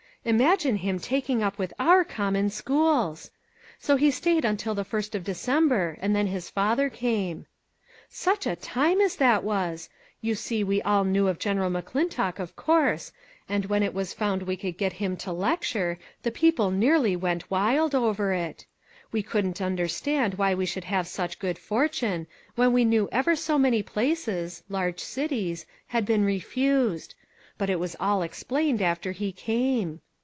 Imagine him taking up with our common schools ! so he stayed until the first of December, and then his father came. " Such a time as that was ! You see we all 4! knew of General McClintock, of course, and when it was found we could get him to lecture, 424 LITTLE FISHEES: AND THEIR NETS. the people nearly went wild over it. We couldn't understand why we should have such good fortune, when we knew ever so many places large cities had been refused ; but it was all explained after he came.